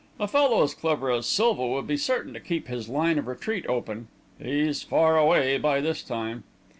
A fellow as clever as Silva would be certain to keep his line of retreat open. He's far away by this time."